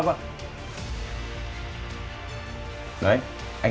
nói nha anh